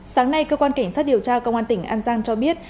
sáng nay cơ quan cảnh sát điều tra công an tỉnh an giang cho biết